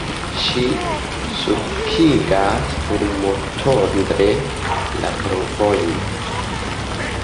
Ŝi sulkigas fulmotondre la brovojn.